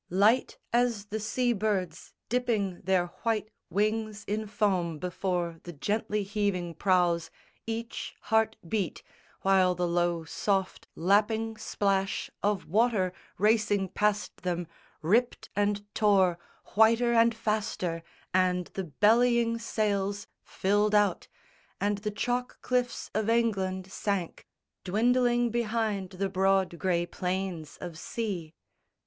Light as the sea birds dipping their white wings In foam before the gently heaving prows Each heart beat, while the low soft lapping splash Of water racing past them ripped and tore Whiter and faster, and the bellying sails Filled out, and the chalk cliffs of England sank Dwindling behind the broad grey plains of sea.